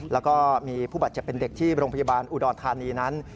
แล้วก็มีผู้บาดเจ็บเป็นเด็กที่โรงพยาบาลอุดรธานีนั้น